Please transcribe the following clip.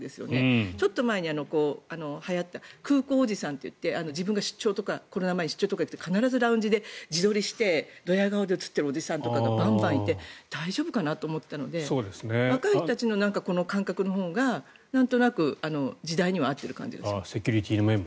ちょっと前に、はやった空港おじさんっていう自分が出張とか行くと必ずラウンジで自撮りしてドヤ顔で写っているおじさんとかいて大丈夫かな？と思っていたので若い人たちの感覚のほうがなんとなく、時代には合っている感じがします。